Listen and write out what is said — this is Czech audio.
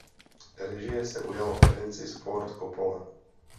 Režie se ujal Francis Ford Coppola.